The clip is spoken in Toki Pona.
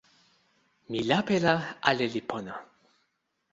mi lape la ale li pona.